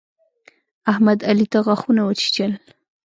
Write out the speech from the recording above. احمد، علي ته غاښونه وچيچل.